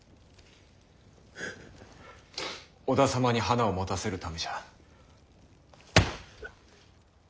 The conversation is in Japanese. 織田様に花を持たせるためじゃ。